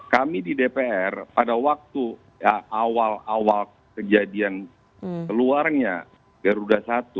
kami di dpr pada waktu awal awal kejadian keluarnya garuda satu